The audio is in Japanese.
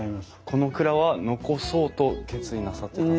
この蔵は残そうと決意なさってたんですか？